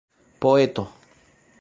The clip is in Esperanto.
poeto